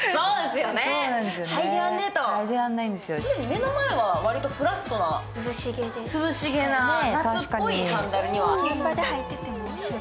目の前は割とフラットな涼しげな夏っぽいサンダル。